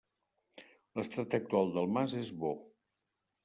L’estat actual del mas és bo.